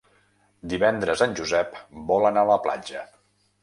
Divendres en Josep vol anar a la platja.